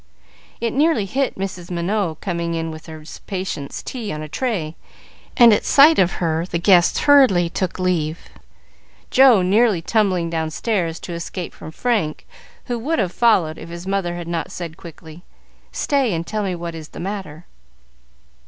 It nearly hit Mrs. Minot, coming in with her patient's tea on a tray, and at sight of her the guests hurriedly took leave, Joe nearly tumbling downstairs to escape from Frank, who would have followed, if his mother had not said quickly, "Stay, and tell me what is the matter."